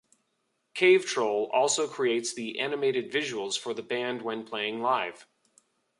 Cavetroll also creates the animated visuals for the band when playing live.